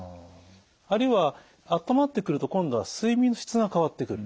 あるいは温まってくると今度は睡眠の質が変わってくる。